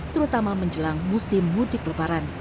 terutama menjelang musim mudik lebaran